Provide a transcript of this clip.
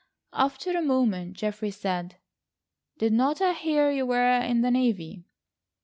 After a moment Geoffrey said: "Did not I hear you were in the navy?"